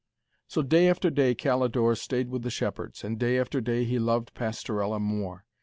So, day after day, Calidore stayed with the shepherds. And, day after day, he loved Pastorella more.